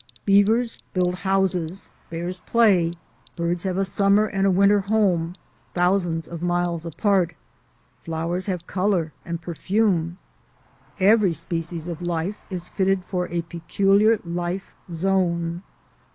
Beavers build houses, bears play, birds have a summer and a winter home thousands of miles apart, flowers have colour and perfume — every species of life is fitted for a peculiar life zone.